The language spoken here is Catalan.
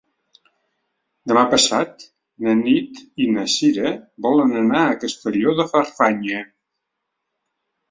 Demà passat na Nit i na Sira volen anar a Castelló de Farfanya.